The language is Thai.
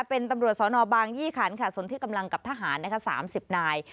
เป็นตำรวจสนบางยี่ขันค่ะส่วนที่กำลังกับทหาร๓๐นาย